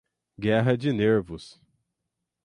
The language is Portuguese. Guerra de Nervos